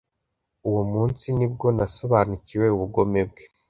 Uwo munsi ni bwo nasobanukiwe ubugome bwe